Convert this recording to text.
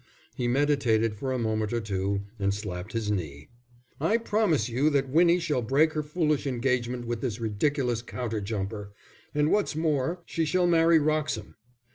He meditated for a moment or two, and slapped his knee. "I promise you that Winnie shall break her foolish engagement with this ridiculous counter jumper, and what's more, she shall marry Wroxham.